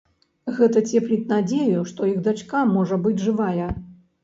Гэта цепліць надзею, што іх дачка можа быць жывая.